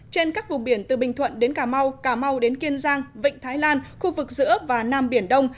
trên các vùng biển từ bình thuận đến cà mau cà mau đến kiên giang vịnh thái lan khu vực giữa và nam biển đông